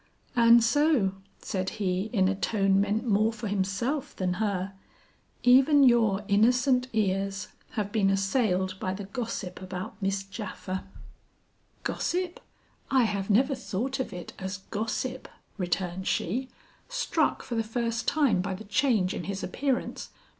"And so," said he in a tone meant more for himself than her, "even your innocent ears have been assailed by the gossip about Miss Japha." "Gossip! I have never thought of it as gossip," returned she, struck for the first time by the change in his appearance.